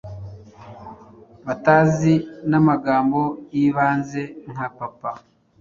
batazi n’amagambo y’ibanze nka “papa”,